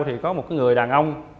thì có một người đàn ông